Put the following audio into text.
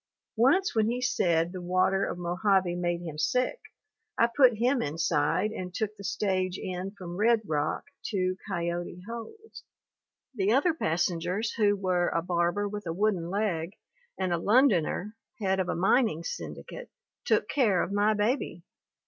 Once when he said the water of Mojave made him sick, I put him inside and took the stage in from Red Rock to Coyote Holes. The other passengers who were a barber with a wooden leg, and a Londoner, head of a mining syndicate, took care of my baby.